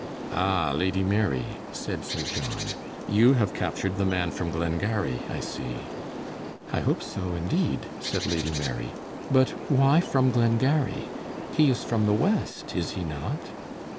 "Ah, Lady Mary," said Sir John, "you have captured the man from Glengarry, I see." "I hope so, indeed," said Lady Mary; "but why from Glengarry? He is from the West, is he not?"